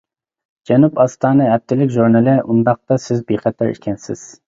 جەنۇب ئاستانە ھەپتىلىك ژۇرنىلى: ئۇنداقتا سىز بىخەتەر ئىكەنسىز.